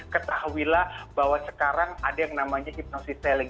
ketahui lah bahwa sekarang ada yang namanya hypnosis selling